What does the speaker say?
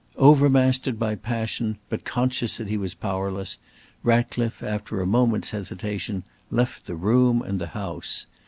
Overmastered by passion, but conscious that he was powerless, Ratcliffe, after a moment's hesitation, left the room and the house.